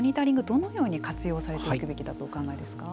どのように活用されていくべきだとお考えですか。